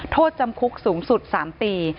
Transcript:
โทษจำคุกสูงสุด๓ปี